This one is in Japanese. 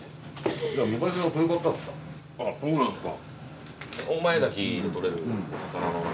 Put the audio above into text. そうなんですか。